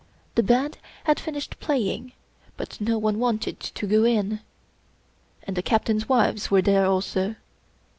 The Band had finished playing, but no one wanted to go in. And the Captains' wives were there also.